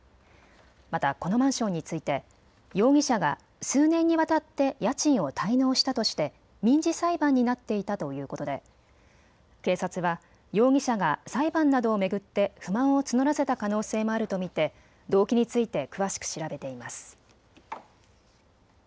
またこのマンションについて容疑者が数年にわたって家賃を滞納したとして民事裁判になっていたということで警察は容疑者が裁判などを巡って不満を募らせた可能性もあると見て動機について詳しく調べています。